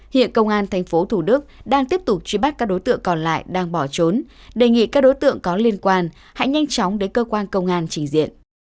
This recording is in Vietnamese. hiện công an tp thủ đức đang tiếp tục truy bắt các đối tượng còn lại đang bỏ trốn đề nghị các đối tượng có liên quan hãy nhanh chóng đến cơ quan công an trình diện